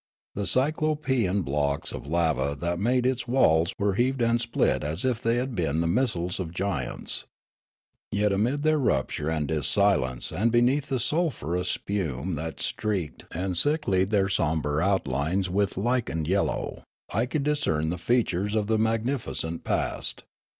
The Cyclopean blocks of lava that made its walls were heaved and split as if they had been the missiles of giants. Yet amid their rupture and dissilience and beneath the sulphurous spume that streaked and sicklied their sombre outlines with lichened yellow, I could discern the features of the magnificent past.